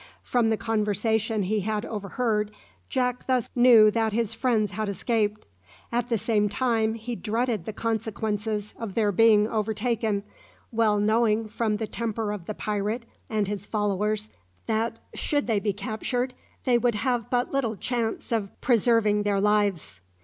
From the conversation he had overheard, Jack thus knew that his friends had escaped. At the same time he dreaded the consequences of their being overtaken, well knowing from the temper of the pirate and his followers that, should they be captured, they would have but little chance of preserving their lives.